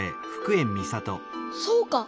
そうか！